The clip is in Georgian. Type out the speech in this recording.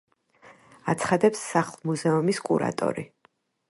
აცხადებს სახლ-მუზეუმის კურატორი.